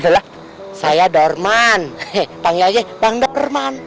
oh adalah saya dorman hehehe panggil aja pang dorman